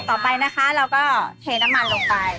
ต่อไปนะคะเราก็เทน้ำมันลงไป